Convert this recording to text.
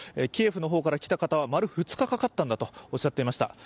キエフの方から来た方は丸２日かかったんだとおっしゃっていました。